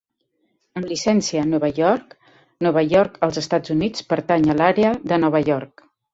Amb llicència a Nova York, Nova York, els Estats Units, pertany a l'àrea de Nova York.